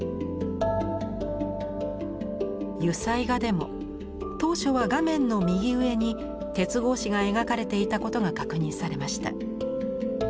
油彩画でも当初は画面の右上に鉄格子が描かれていたことが確認されました。